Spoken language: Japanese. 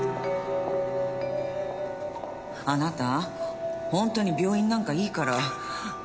あなたほんとに病院なんかいいから。